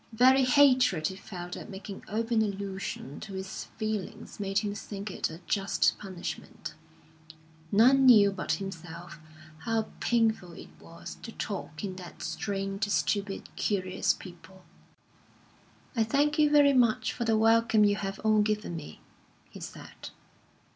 The very hatred he felt at making open allusion to his feelings made him think it a just punishment; none knew but himself how painful it was to talk in that strain to stupid, curious people. "I thank you very much for the welcome you have all given me," he said.